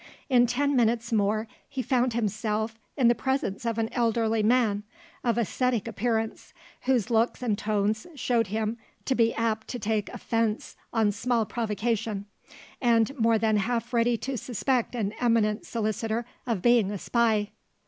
In ten minutes more he found himself in the presence of an elderly man, of ascetic appearance; whose looks and tones showed him to be apt to take offence on small provocation, and more than half ready to suspect an eminent solicitor of being a spy.